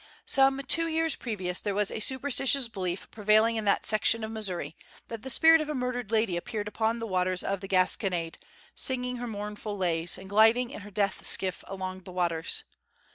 Some two years previous, there was a superstitious belief prevailing in that section of Missouri, that the spirit of a murdered lady appeared upon the waters of the Gasconade, singing her mournful lays, and gliding in her death skiff along the waters.